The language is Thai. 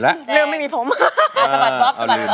ร้องได้ให้ร้อง